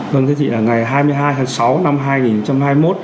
vâng thưa thị là ngày hai mươi hai tháng sáu năm hai nghìn hai mươi một